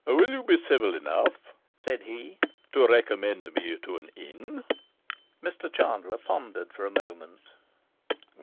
'Will you be civil enough,' said he, 'to recommend me to an inn?' Mr Chandler pondered for a moment.